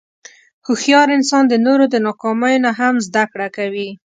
هوښیار انسان د نورو د ناکامیو نه هم زدهکړه کوي.